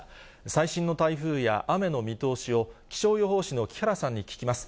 最新の台風や雨の見通しを、気象予報士の木原さんに聞きます。